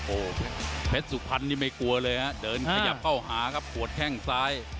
โอ้โหเพชรสุพรรณนี่ไม่กลัวเลยฮะเดินขยับเข้าหาครับปวดแข้งซ้าย